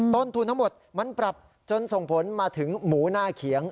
ต้นทุนทั้งหมดมันปรับจนส่งผลมาถึงหมูหน้าเขียง